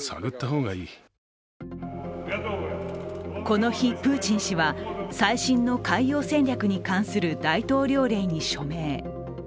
この日、プーチン氏は最新の海洋戦略に関する大統領令に署名。